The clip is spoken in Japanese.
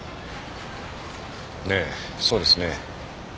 ええそうですね。